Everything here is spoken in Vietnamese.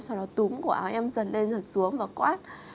sau đó túm cổ áo em dần lên dần xuống và quát